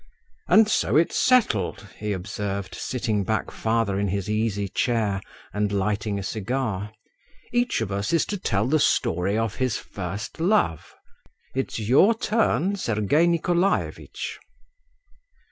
"And so it's settled," he observed, sitting back farther in his easy chair and lighting a cigar; "each of us is to tell the story of his first love. It's your turn, Sergei Nikolaevitch."